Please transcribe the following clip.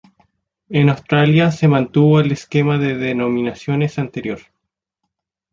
En Australia, se mantuvo el esquema de denominaciones anterior.